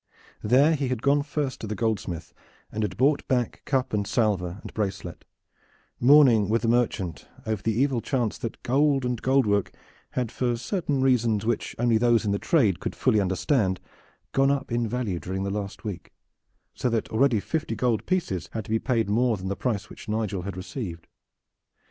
There he had gone first to the goldsmith and had bought back cup and salver and bracelet, mourning with the merchant over the evil chance that gold and gold work had for certain reasons which only those in the trade could fully understand gone up in value during the last week, so that already fifty gold pieces had to be paid more than the price which Nigel had received.